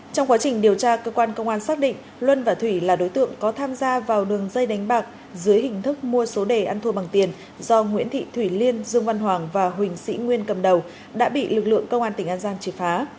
trong quá trình điều tra cơ quan công an xác định luân và thủy là đối tượng có tham gia vào đường dây đánh bạc dưới hình thức mua số đề ăn thua bằng tiền do nguyễn thị thủy liên dương văn hoàng và huỳnh sĩ nguyên cầm đầu đã bị lực lượng công an tỉnh an giang triệt phá